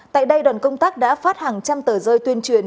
tại đây đoàn công tác đã phát hàng trăm tờ rơi tuyên truyền